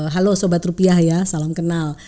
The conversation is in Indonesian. halo sobat rupiah ya salam kenal